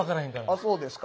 あそうですか。